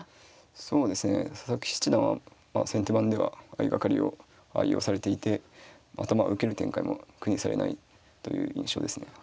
そうですね佐々木七段はまあ先手番では相掛かりを愛用されていてまた受ける展開も苦にされないという印象ですね。